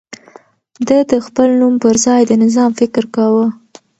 ده د خپل نوم پر ځای د نظام فکر کاوه.